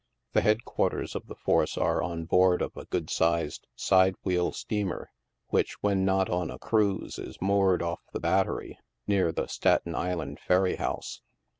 The headquarters of the force are on board of a good sized, side wheel steamer which, when not on a cruise, is moored off the Battery, near the Staten Island ferry house.